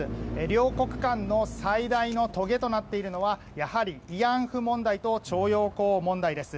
両国間の最大のとげとなっているのはやはり慰安婦問題と徴用工問題です。